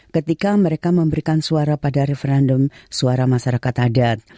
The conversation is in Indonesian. ketika mereka memberikan suara pada referendum suara masyarakat adat